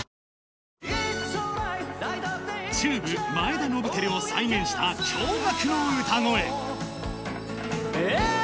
ＴＵＢＥ、前田亘輝を再現した驚がくの歌声。